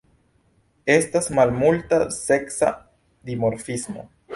Estas malmulta seksa dimorfismo.